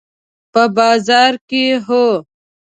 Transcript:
په بازار کې، هو